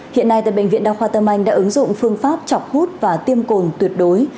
hiện nay tại bệnh viện đa khoa tâm anh đã ứng dụng phương pháp chọc hút và tiêm cồn tuyệt đối